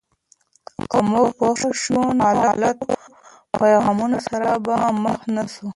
که موږ پوه شو، نو د غلطو پیغامونو سره به مخ نسو.